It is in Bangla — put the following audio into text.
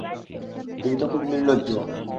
তুমি তো খুব নির্লজ্জ।